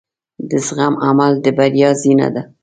د زغم عمل د بریا زینه ده.